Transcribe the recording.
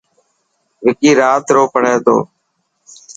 وڪي رات رو پهڙي تو.